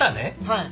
はい。